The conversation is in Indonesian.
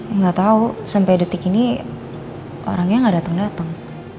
tapi gak tau sampai detik ini orangnya gak dateng dateng